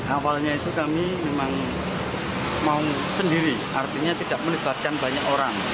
awalnya itu kami memang mau sendiri artinya tidak melibatkan banyak orang